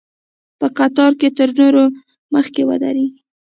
په قطار کې تر نورو مخکې ودرېږي.